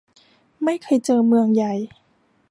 ไม่เคยเจอเมืองใหญ่